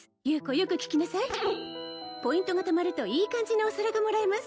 よく聞きなさいポイントがたまるといい感じのお皿がもらえます